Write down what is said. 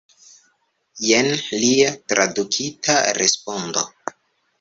Jen lia tradukita respondo.